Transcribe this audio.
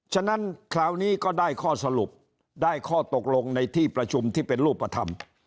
ฉะนั้นคราวนี้ก็ได้ข้อสรุปได้ข้อตกลงในที่ประชุมที่เป็นรูปธรรม